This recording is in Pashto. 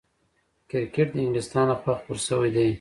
کرکټ د انګلستان له خوا خپور سوی دئ.